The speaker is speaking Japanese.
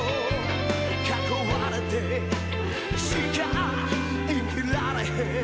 「囲われてしか生きられへん」